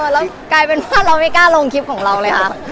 แล้วกลายเป็นว่าเราไม่กล้าลงคลิปของเราเลยค่ะ